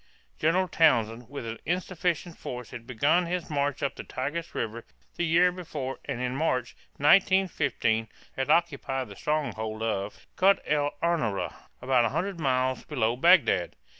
General Townshend with an insufficient force had begun his march up the Tigris River the year before and in March, 1915, had occupied the stronghold of Kut el Ama´ra, about 100 miles below Bagdad.